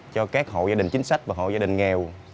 cho các hội gia đình chính sách và hội gia đình nghèo